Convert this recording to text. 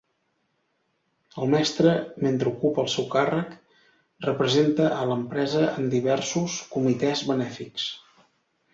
El mestre, mentre ocupa el seu càrrec, representa a l'empresa en diversos comitès benèfics.